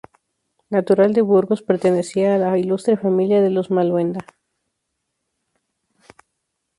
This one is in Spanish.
Natural de Burgos, pertenecía a la ilustre familia de los Maluenda.